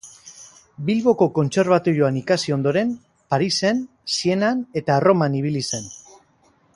Bilboko kontserbatorioan ikasi ondoren, Parisen, Sienan eta Erroman ibili zen.